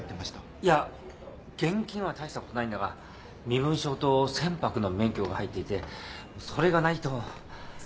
いや現金は大したことないんだが身分証と船舶の免許が入っていてそれがないと